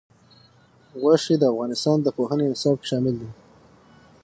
غوښې د افغانستان د پوهنې نصاب کې شامل دي.